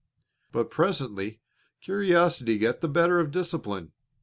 But presently curiosity got the better of discipline.